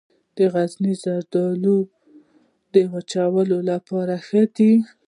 د غزني زردالو د وچولو لپاره ښه دي.